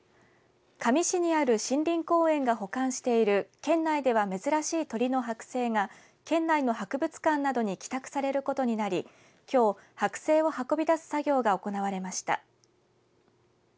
香美市にある森林公園が保管している県内では珍しい鳥の剥製が県内の博物館などに寄託されることになりきょう、剥製を運び出す作業が行われました。